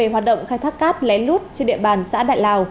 hoạt động khai thác cát lén lút trên địa bàn xã đại lào